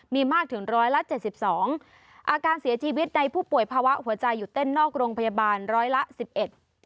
มีมากถึงร้อยละเจ็ดสิบสองอาการเสียชีวิตในผู้ป่วยภาวะหัวใจหยุดเต้นนอกโรงพยาบาลร้อยละสิบเอ็ด